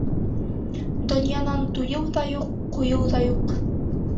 Донъянан туйыу ҙа юҡ, ҡуйыу ҙа юҡ.